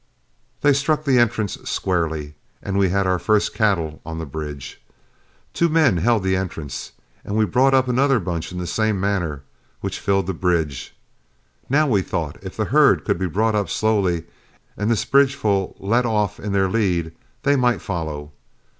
They struck the entrance squarely, and we had our first cattle on the bridge. Two men held the entrance, and we brought up another bunch in the same manner, which filled the bridge. Now, we thought, if the herd could be brought up slowly, and this bridgeful let off in their lead, they might follow.